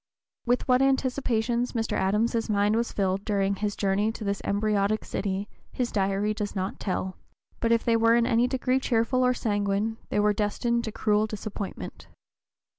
With what anticipations Mr. Adams's mind was filled during his journey to this embryotic (p. 031) city his Diary does not tell; but if they were in any degree cheerful or sanguine they were destined to cruel disappointment.